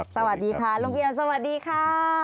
สวัสดีค่ะลุงเอียมสวัสดีค่ะ